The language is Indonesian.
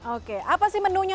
oke apa sih menunya